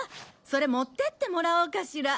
それ持ってってもらおうかしら。